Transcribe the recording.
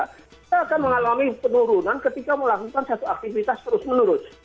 kita akan mengalami penurunan ketika melakukan satu aktivitas terus menerus